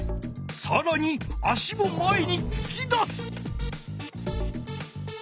さらに足も前につき出す。